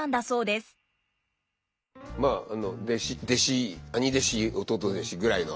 弟子兄弟子弟弟子ぐらいの。